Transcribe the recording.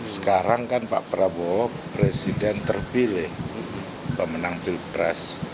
sekarang kan pak prabowo presiden terpilih pemenang pilpres